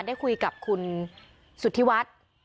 ได้คุยกับคุณสุธิวัฒน์